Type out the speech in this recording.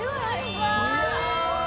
うわ！